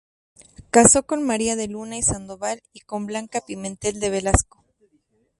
Casó con María de Luna y Sandoval y con Blanca Pimentel de Velasco.